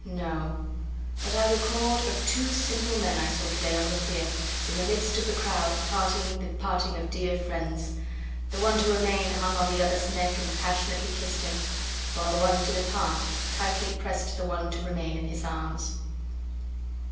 —No; But I record of two simple men I saw to day, on the pier, in the midst of the crowd, parting the parting of dear friends; The one to remain hung on the other's neck, and passionately kiss'd him, While the one to depart, tightly prest the one to remain in his arms.